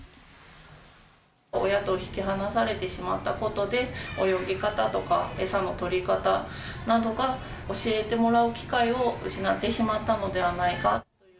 親と引き離されてしまったことで、泳ぎ方とか、餌のとり方などが教えてもらう機会を失ってしまったのではないか。